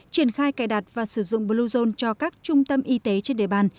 triển khai cài đặt và sử dụng bluezone cho các trung tâm y tế trên địa bàn